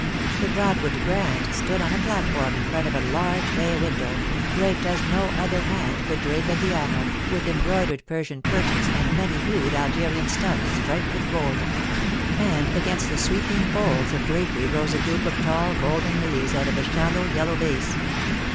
The Broadwood grand stood on a platform in front of a large bay window, draped as no other hand could drape a piano, with embroidered Persian curtains and many hued Algerian stuffs, striped with gold; and against the sweeping folds of drapery rose a group of taH golden lilies out of a shallow yellow vase.